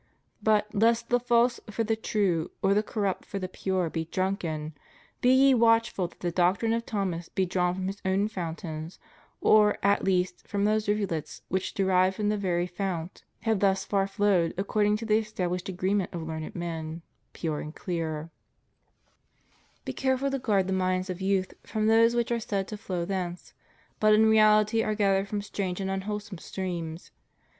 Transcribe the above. But, lest the false for the true or the corrupt for the pure be drunk in, be ye watchful that the doctrine of Thomas be drawn from his own fountains, or at least from those rivulets which derived from the very fount, have thus far flowed, according to the estabUshed agreement of learned men, pure and clear; be careful to guard the minds of youth THE STUDY OF SCHOLASTIC PHILOSOPHY. 57 from those which are said to flow thence, but in reality are gathered from strange and unwholesome streams.